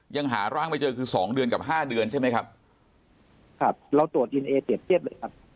ยังหาร่างไม่เจอคือสองเดือนกับห้าเดือนใช่ไหมครับครับเราตรวจอินเอเปรียบเทียบเลยครับ